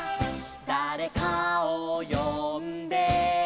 「だれかをよんで」